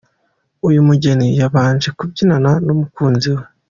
Uyu mugeni yabanje kubyinana n’umukunzi we.